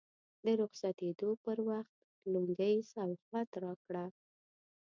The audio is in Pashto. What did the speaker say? د رخصتېدو پر وخت لونګۍ سوغات راکړه.